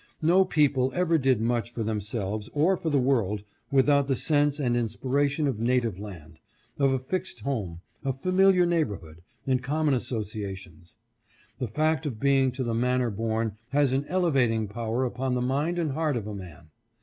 No people ever did much for themselves or for the world without the sense and inspiration of native land, of a fixed home, of familiar neighborhood, and common associations. The fact of being to the manor born has an elevating power upon the mind and heart of a man.